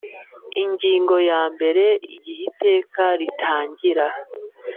Ingingo ya mbere Igihe Iteka ritangira